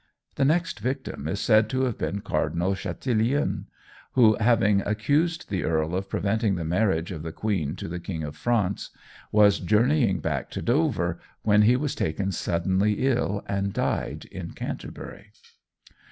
The next victim is said to have been Cardinal Chatillian, who, having accused the earl of preventing the marriage of the queen to the King of France, was journeying back to Dover, when he was taken suddenly ill and died in Canterbury.